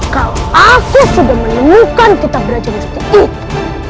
kalau aku sudah menemukan kitab raja musti itu